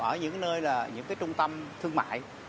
ở những nơi là những cái trung tâm thương mại